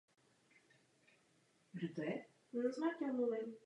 Lidové vyprávění je považováno za relikt původní kulturní tradice příslušného národa.